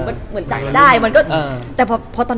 มันเหมือนจัดกะได้มันก็มีความเข้ียง